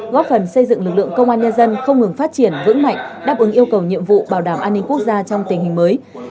góp phần xây dựng lực lượng công an nhân dân không ngừng phát triển vững mạnh đáp ứng yêu cầu nhiệm vụ bảo đảm an ninh quốc gia trong tình hình mới